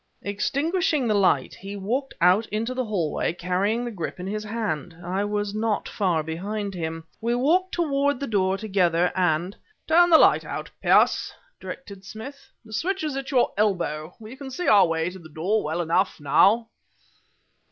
Extinguishing the light, he walked out into the hallway, carrying the grip in his hand. I was not far behind him. We walked toward the door together, and: "Turn the light out, Pearce," directed Smith; "the switch is at your elbow. We can see our way to the door well enough, now."